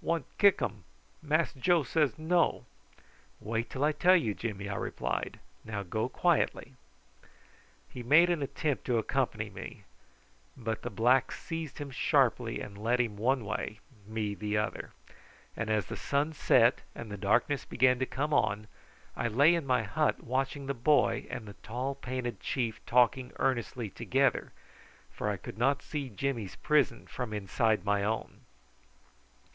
"Want kick um. Mass Joe say no." "Wait till I tell you, Jimmy," I replied. "Now go quietly." He made an attempt to accompany me, but the blacks seized him sharply and led him one way, me the other; and as the sun set and the darkness began to come on, I lay in my hut watching the boy and the tall painted chief talking earnestly together, for I could not see Jimmy's prison from inside my own.